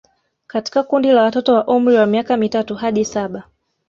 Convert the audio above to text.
Katika kundi la watoto wa umri wa miaka mitatu hadi saba